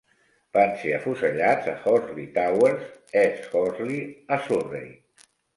Van ser afusellats a Horsley Towers, East Horsley a Surrey.